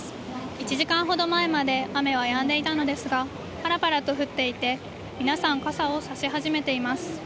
１時間ほど前まで雨はやんでいたのですがパラパラと降っていて、皆さん傘を差し始めています。